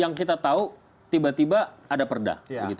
yang kita tahu tiba tiba ada perda